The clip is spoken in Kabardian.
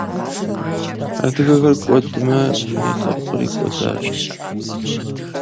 Adıgağer k'uedme lhepkhri k'uedaş.